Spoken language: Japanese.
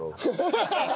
ハハハハ！